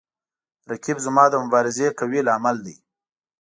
رقیب زما د مبارزې قوي لامل دی